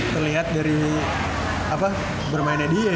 terlihat dari bermainnya dia